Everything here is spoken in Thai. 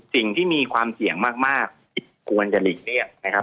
สิ่งที่มีความเสี่ยงมากที่ควรจะหลีกเลี่ยงนะครับ